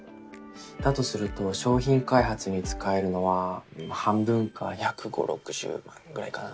だとすると商品開発に使えるのは半分か１５０１６０万ぐらいかな。